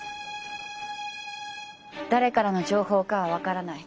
誰からの情報かは分からない。